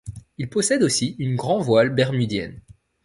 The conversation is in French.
Il possède aussi une grand voile bermudienne.